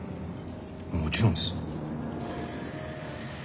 もちろんです。